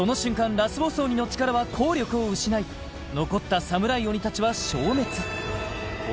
ラスボス鬼の力は効力を失い残ったサムライ鬼達は消滅鬼